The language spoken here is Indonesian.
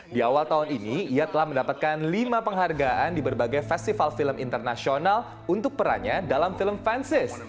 di awal tahun ini ia telah mendapatkan lima penghargaan di berbagai festival film internasional untuk perannya dalam film fansis